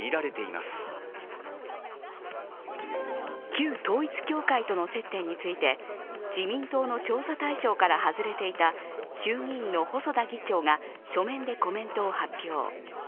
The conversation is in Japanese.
旧統一教会との接点について自民党の調査対象から外れていた衆議院の細田議長が書面でコメントを発表。